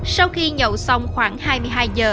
sau khi nhậu xong khoảng hai mươi hai h